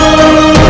baik ayahanda prabu